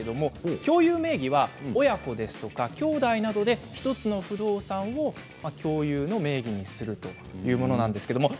共有名義は親子やきょうだいなどで１つの不動産の権利を共有名義にするということなんです。